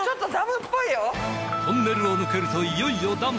トンネルを抜けるといよいよダム！